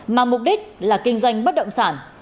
mà mục đích là kinh doanh bất động sản